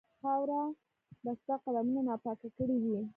خاوره به ستا قدمونو ناپاکه کړې وي.